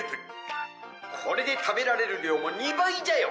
「これで食べられる量も２倍じゃよ！」